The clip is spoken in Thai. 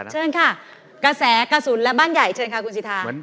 เชิญค่ะกระแสกระสุนและบ้านใหญ่เชิญค่ะคุณสิทธา